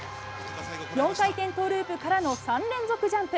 ４回転トウループからの３連続ジャンプ。